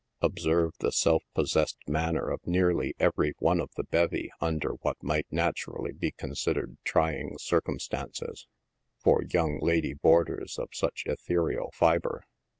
Observe the self possessed manner of nearly every one of the bevy under what might naturally be considered trying circumstances for " young lady boarders" of such ethereal fibre.